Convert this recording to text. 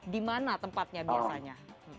di mana tempatnya biasanya